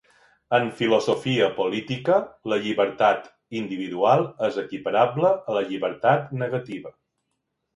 En filosofia política, la llibertat individual és equiparable a la llibertat negativa.